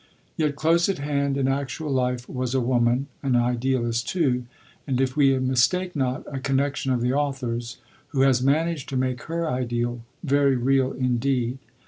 Yet close at hand, in actual life, was a woman an Idealist too and if we mistake not, a connection of the author's, who has managed to make her ideal very real indeed.